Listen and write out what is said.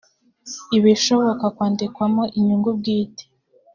ibishoboka kwandikwamo inyungu bwite